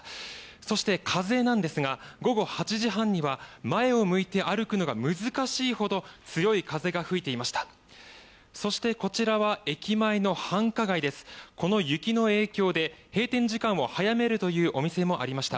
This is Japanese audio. そして、風なんですが午後８時半には前を向いて歩くのが難しいほど強い風が吹いていました。